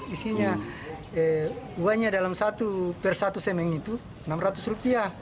isinya uangnya dalam satu per satu semeng itu rp enam ratus